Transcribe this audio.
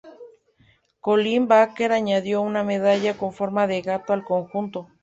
Colin Baker añadió una medalla con forma de gato al conjunto.